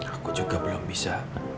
aku juga belum bisa